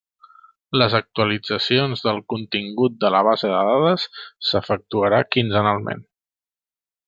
Les actualitzacions del contingut de la base de dades s'efectuarà quinzenalment.